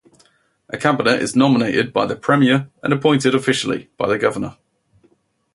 A cabinet is nominated by the premier and appointed officially by the governor.